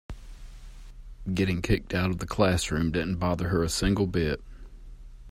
Getting kicked out of the classroom didn't bother her a single bit.